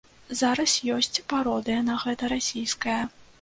Зараз ёсць пародыя на гэта расійская.